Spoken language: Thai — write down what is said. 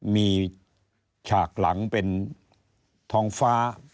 มีฉากหลังเป็นท้องฟ้า